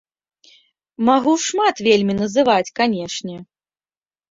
Магу шмат вельмі называць, канечне.